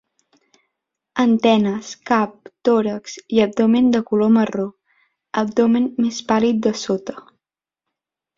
Antenes, cap, tòrax i abdomen de color marró; abdomen més pàl·lid de sota.